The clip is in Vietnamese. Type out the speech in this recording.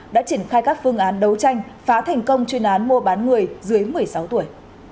đã triển khai các phương án đấu tranh phá thành công chuyên án mua bán người dưới một mươi sáu tuổi